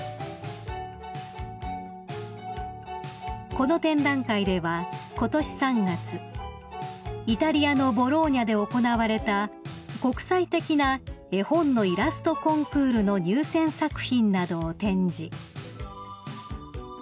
［この展覧会ではことし３月イタリアのボローニャで行われた国際的な絵本のイラストコンクールの入選作品などを展示］